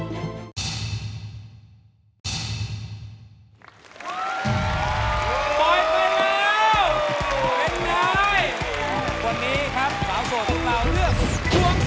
ซื่อสมภง